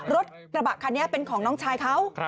รถกระบะคันนี้เป็นของน้องชายเขา